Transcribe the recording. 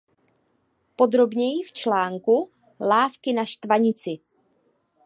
Podrobněji v článku Lávky na Štvanici.